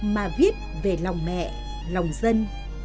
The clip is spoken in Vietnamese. mà viết về lòng mẹ lòng dân